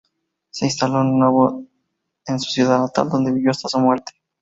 Se instaló de nuevo en su ciudad natal, donde vivió hasta su muerte.